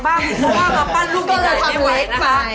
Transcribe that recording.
เพราะว่ามาปั้นลูกอีกด้านไม่ไหวนะคะ